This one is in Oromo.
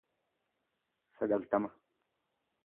sagaltama